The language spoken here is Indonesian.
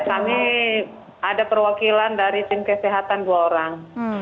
kami ada perwakilan dari tim kesehatan dua orang